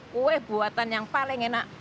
kue buatan yang paling enak